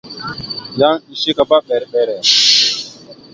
Yan eshekabámber mbere.